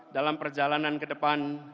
dalam perjalanan ke depan